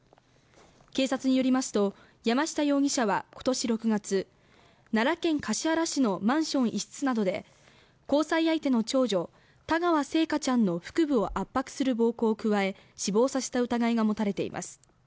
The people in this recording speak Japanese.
警察によりますと山下容疑者は今年６月奈良県橿原市のマンション一室などで交際相手の長女田川星華ちゃんの腹部を圧迫する暴行を加え死亡させた疑いが持たれています